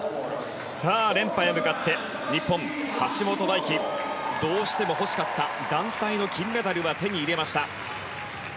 さあ連覇へ向かって日本、橋本大輝。どうしても欲しかった団体の金メダルは手に入れました。